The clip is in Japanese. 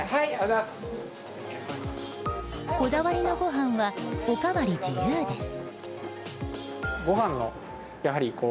こだわりのご飯はおかわり自由です。